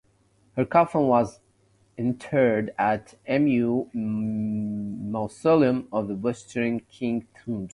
Her coffin was interred at Mu Mausoleum of the Western Qing tombs.